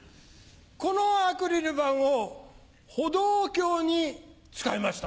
このアクリル板を歩道橋に使いました。